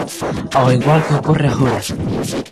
Ao igual que ocorre agora.